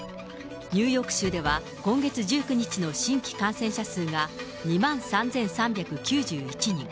ニューヨーク州では今月１９日の新規感染者数が、２万３３９１人。